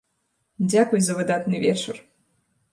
Дзякуй за выдатны вечар!